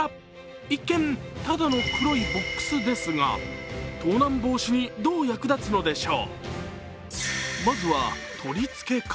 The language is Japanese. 一見、ただの黒いボックスですが、盗難防止にどう役立つのでしょう。